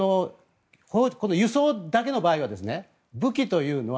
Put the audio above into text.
輸送だけの場合は武器というのは